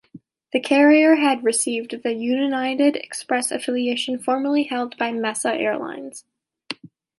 The carrier had received the United Express affiliation formerly held by Mesa Airlines.